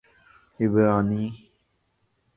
عبرانی